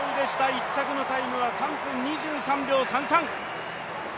１着のタイムは３分２３秒３３。